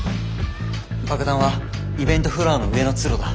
爆弾はイベントフロアの上の通路だ。